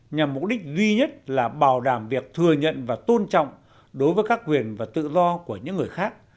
nhằm mục đích duy nhất là bảo đảm việc thừa nhận và tôn trọng đối với các quyền và tự do của những người khác